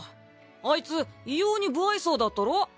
あいつ異様に不愛想だったろ？